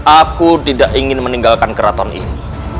aku tidak ingin meninggalkan keraton ini